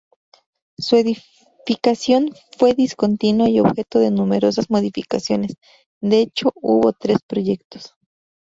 Su edificación fue discontinua y objeto de numerosas modificaciones; de hecho hubo tres proyectos.